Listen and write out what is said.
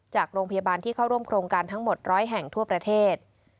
จากโรงพยาบาลที่เข้าร่วมโครงการทั้งหมด๑๐๐แห่งทั่วประเทศ